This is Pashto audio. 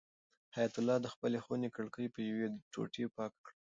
حیات الله د خپلې خونې کړکۍ په یوې ټوټې پاکه کړه.